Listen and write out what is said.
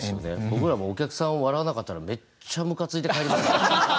僕らもうお客さん笑わなかったらめっちゃムカついて帰りますけどね。